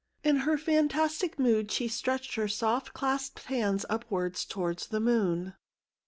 In her fantastic mood she stretched her soft, clasped hands upwards towards the moon.